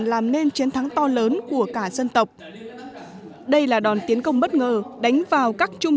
làm nên chiến thắng to lớn của cả dân tộc đây là đòn tiến công bất ngờ đánh vào các trung